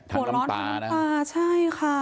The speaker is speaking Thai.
หัวเราะทั้งตาใช่ค่ะ